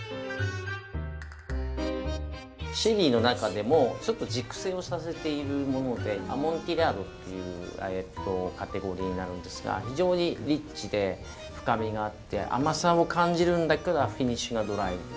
シェリーの中でも熟成をさせているものでアモンティリャードっていうカテゴリーになるんですが非常にリッチで深みがあって甘さを感じるんだけどフィニッシュがドライ。